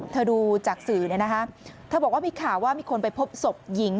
เธอดูจากสื่อมีข่าวว่ามีคนไปพบศพหญิง